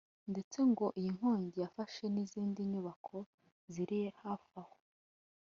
ndetse ngo iyi nkongi yafashe n’izindi nyubako ziri hafi aho